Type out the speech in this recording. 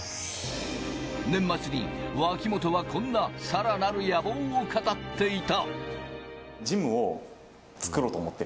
年末に脇本はこんなさらなる野望を語っていた。